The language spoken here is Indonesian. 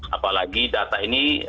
apalagi data ini